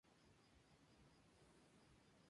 Tuvieron tres hijos y una hija.